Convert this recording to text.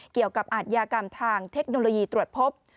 เกี่ยวกับอาทยากรรมทางเทคโนโลยีตรวจพบ